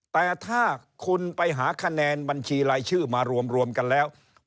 แต่ถ้าคุณไปหาคะแนนบัญชีรายชื่อมารวมกันแล้ว